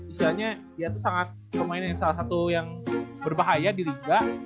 istilahnya dia itu sangat pemain yang salah satu yang berbahaya di liga